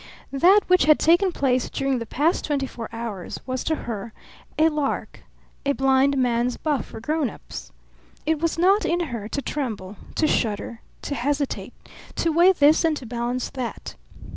That which had taken place during the past twenty four hours was to her a lark, a blindman's buff for grown ups. It was not in her to tremble, to shudder, to hesitate, to weigh this and to balance that.